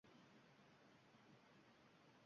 Nimaga yigʻlayapsan, hoy mushukcha